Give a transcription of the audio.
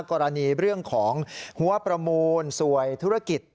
กรณีเรื่องของหัวประมูลสวยธุรกิจ